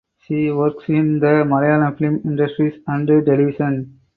She works in the Malayalam film industry and television.